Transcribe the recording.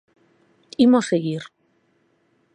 Imos seguir.